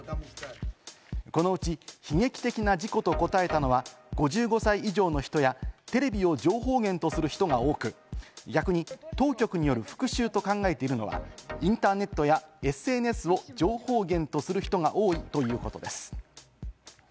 このうち悲劇的な事故と答えたのは、５５歳以上の人や、テレビを情報源とする人が多く、逆に、当局による復讐と考えているのはインターネットやＳＮＳを情報源とする人が多いということです。